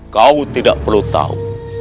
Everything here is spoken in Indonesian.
kau tidak perlu tahu